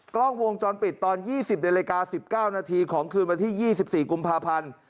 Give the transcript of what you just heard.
กล้องวงจรปิดตอน๒๐นาฬิกา๑๙นาทีของคืนวันที่๒๔กุมภาพันธ์